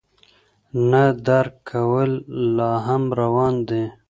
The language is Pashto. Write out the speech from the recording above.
نه درک کول لا هم روان دي.